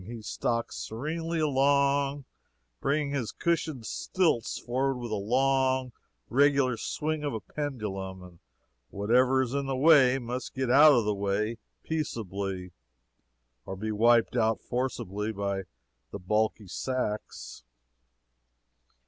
He stalks serenely along, bringing his cushioned stilts forward with the long, regular swing of a pendulum, and whatever is in the way must get out of the way peaceably, or be wiped out forcibly by the bulky sacks.